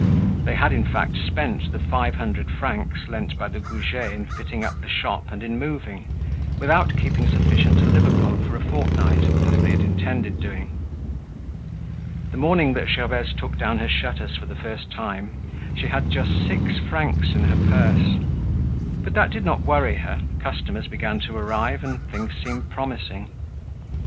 They had, in fact, spent the five hundred francs lent by the Goujets in fitting up the shop and in moving, without keeping sufficient to live upon for a fortnight, as they had intended doing. The morning that Gervaise took down her shutters for the first time, she had just six francs in her purse. But that did not worry her, customers began to arrive, and things seemed promising.